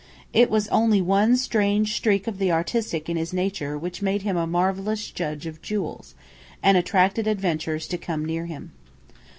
It was only one strange streak of the artistic in his nature which made him a marvellous judge of jewels, and attracted adventures to come near him.